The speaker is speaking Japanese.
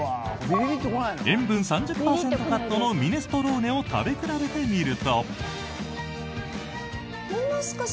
塩分３０％カットのミネストローネを食べ比べてみると。